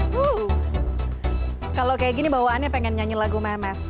wuh kalau kayak gini bawaannya pengen nyanyi lagu memes